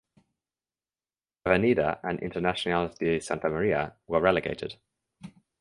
Avenida and Internacional de Santa Maria were relegated.